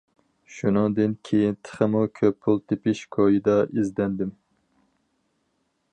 شۇنىڭدىن كېيىن تېخىمۇ كۆپ پۇل تېپىش كويىدا ئىزدەندىم.